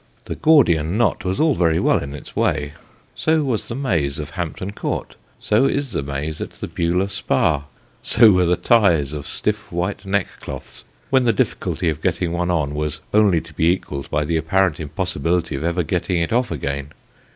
The Gordian knot was all very well in its way : so was the maze of Hampton Court : so is the maze at the Beulah Spa : so were the ties of stiff white neckcloths, when the difficulty of getting one on, was only to be equalled by the apparent impossibility of ever getting it off again.